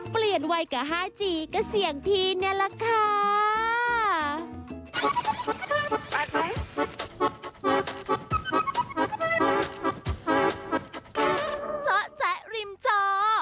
เปลี่ยนไว้กับฮาจีก็เสี่ยงทีนี่แหละค่ะ